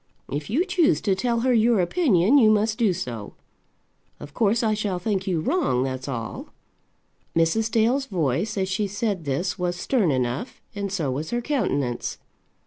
If you choose to tell her your opinion, you must do so. Of course I shall think you wrong, that's all." Mrs. Dale's voice as she said this was stern enough, and so was her countenance.